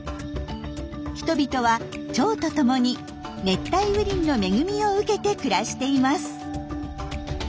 人々はチョウと共に熱帯雨林の恵みを受けて暮らしています。